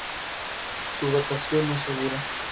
Su datación no es segura.